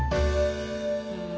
うん。